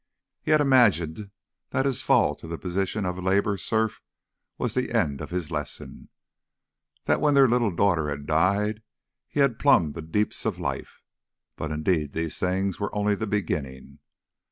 He had imagined that his fall to the position of a Labour Serf was the end of his lesson, that when their little daughter had died he had plumbed the deeps of life; but indeed these things were only the beginning.